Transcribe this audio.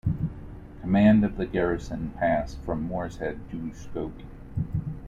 Command of the garrison passed from Morshead to Scobie.